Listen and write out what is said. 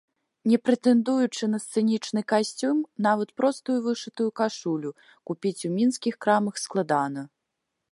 Не прэтэндуючы на сцэнічны касцюм, нават простую вышытую кашулю купіць у мінскіх крамах складана.